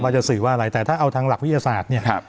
จะสื่อว่าอะไรแต่ถ้าเอาทางหลักวิทยาศาสตร์เนี่ย